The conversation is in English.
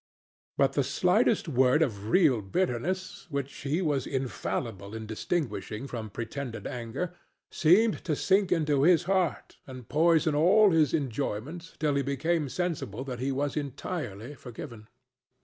But the slightest word of real bitterness, which he was infallible in distinguishing from pretended anger, seemed to sink into his heart and poison all his enjoyments till he became sensible that he was entirely forgiven.